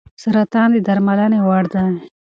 سرطان د درملنې وړ دی.